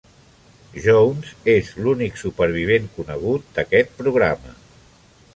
Jones és l'únic supervivent conegut d'aquest programa.